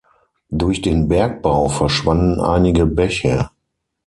Durch den Bergbau verschwanden einige Bäche.